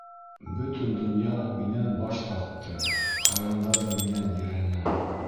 Бөтөн донъя минән баш тартты, хайуандар ҙа минән ерәнә.